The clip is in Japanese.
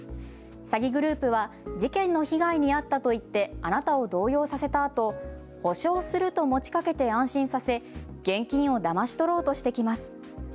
詐欺グループは事件の被害に遭ったと言ってあなたを動揺させたあと、補償すると持ちかけて安心させ現金をだまし取ろうとしてきます。